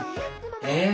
え？